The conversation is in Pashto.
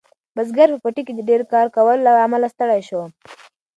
بزګر په پټي کې د ډیر کار کولو له امله ستړی شو.